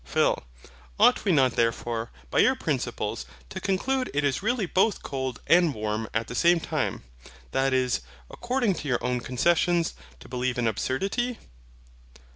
PHIL. Ought we not therefore, by your principles, to conclude it is really both cold and warm at the same time, that is, according to your own concession, to believe an absurdity?